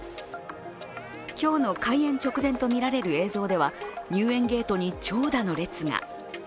今日の開園直前とみられる映像では入園ゲートに長蛇の列が。